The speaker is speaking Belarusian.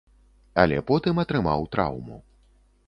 Але потым атрымаў траўму.